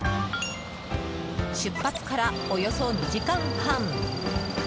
出発からおよそ２時間半。